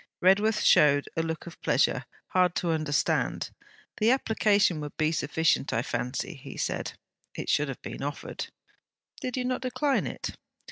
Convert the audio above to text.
Redworth showed a look of pleasure, hard to understand. 'The application would be sufficient, I fancy,' he said. 'It should have been offered.' 'Did you not decline it?'